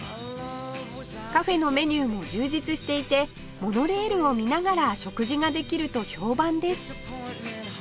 カフェのメニューも充実していてモノレールを見ながら食事ができると評判です